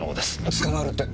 捕まえるって。